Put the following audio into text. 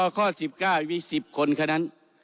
ข้อ๑๙วิสิบคนเท่านั้น